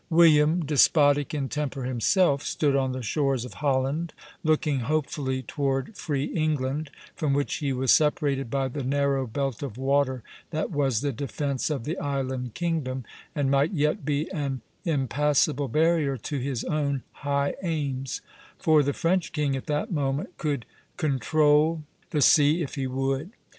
William, despotic in temper himself, stood on the shores of Holland looking hopefully toward free England, from which he was separated by the narrow belt of water that was the defence of the island kingdom, and might yet be an impassable barrier to his own high aims; for the French king at that moment could control the sea if he would.